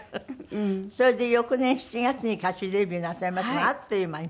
それで翌年７月に歌手デビューなさいましてあっという間に。